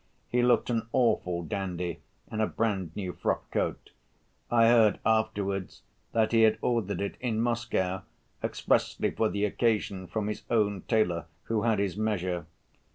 He looked an awful dandy in a brand‐new frock‐coat. I heard afterwards that he had ordered it in Moscow expressly for the occasion from his own tailor, who had his measure.